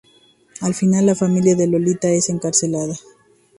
Al final, la familia de Lolita es encarcelada.